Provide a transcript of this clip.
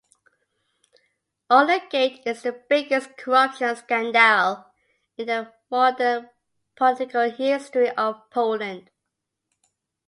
Orlengate is the biggest corruption scandal in the modern political history of Poland.